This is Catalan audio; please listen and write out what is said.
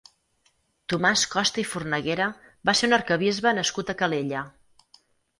Tomàs Costa i Fornaguera va ser un arquebisbe nascut a Calella.